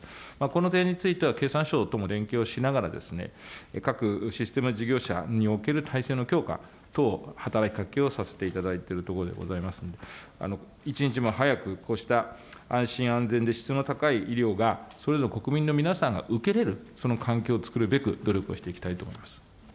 この点については経産省とも連携をしながら、各システム事業者における体制の強化等、働きかけをさせていただいているところでございますんで、一日も早く、こうした安心安全で質の高い医療が、それぞれの国民の皆さんが受けれる、その環境をつくるべく、努力をしていきたいと思います。